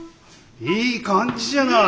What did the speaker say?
いい感じじゃない！